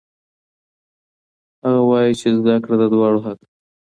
هغې وایي چې زده کړه د دواړو حق دی.